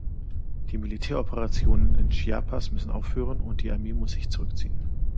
Die Militäroperationen in Chiapas müssen aufhören, und die Armee muss sich zurückziehen.